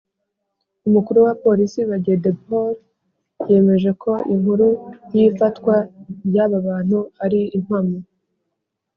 umukuru wa polisi badege paul yemeje ko inkuru y’ifatwa ry’aba bantu ari impamo